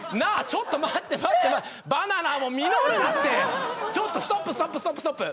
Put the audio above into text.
ちょっと待って待ってバナナも実るなってちょっとストップストップストップストップ！